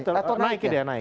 betul naik ya